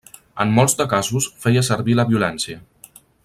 En molts de casos feia servir la violència.